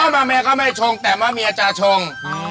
มะแมก็ไม่ชงแต่มะเมียจะชง